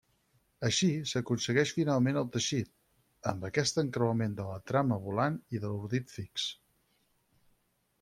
Així, s'aconsegueix finalment el teixit, amb aquest encreuament de la trama volant i l'ordit fix.